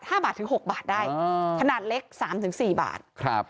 ห้าบาทถึงหกบาทได้อ่าขนาดเล็กสามถึงสี่บาทครับ